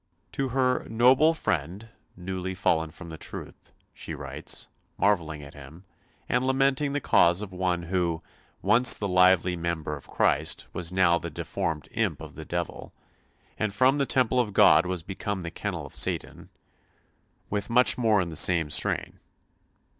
To her "noble friend, newly fallen from the truth" she writes, marvelling at him, and lamenting the case of one who, once the lively member of Christ, was now the deformed imp of the devil, and from the temple of God was become the kennel of Satan with much more in the same strain.